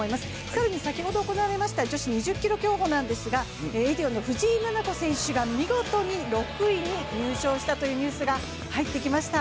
更に先ほど行われました女子２０ｋｍ競歩なんですが、藤井菜々子選手が見事に６位に入賞したというニュースが入ってきました。